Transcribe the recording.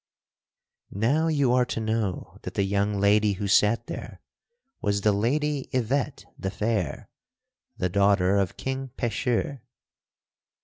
Now you are to know that the young lady who sat there was the Lady Yvette the Fair, the daughter of King Pecheur.